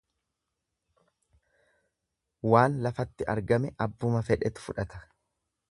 Waan lafatti argame abbuma fedhetu fudhata.